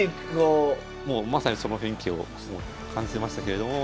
もうまさにその雰囲気をすごく感じてましたけれども。